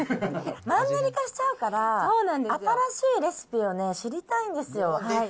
マンネリ化しちゃうから、新しいレシピをね、知りたいんですよ。